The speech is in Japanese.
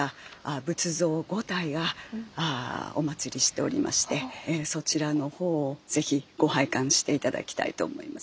仏像５体がおまつりしておりましてそちらの方を是非ご拝観して頂きたいと思います。